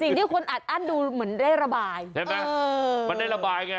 สิ่งที่คุณอัดอั้ดดูเหมือนได้ระบายอยู่นี่นะมันได้ระบายไง